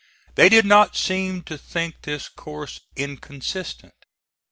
They did not seem to think this course inconsistent.